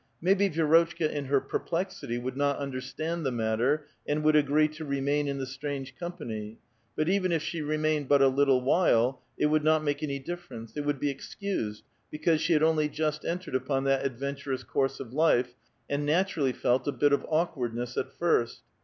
Maybe Vi6rotclika in her perplexity would not understand the matter, and would agree to remain in the strange company, but even if she remained but a little while, it would not make any differ ence ; it would be excused because she had only just entered upon that adventurous course of life, and naturally felt a bit of awkwardness at first.